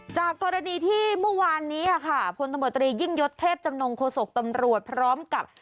จากกรณีที่เมื่อวานนี้ค่ะพลตำรวจตรียิ่งยศเทพจำนงโฆษกตำรวจพร้อมกับ